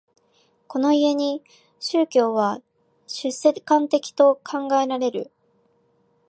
この故に宗教は出世間的と考えられる。